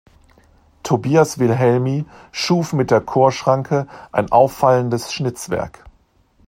Tobias Wilhelmi schuf mit der Chorschranke ein auffallendes Schnitzwerk.